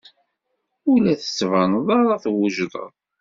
Ur la d-tettbaneḍ ara twejdeḍ.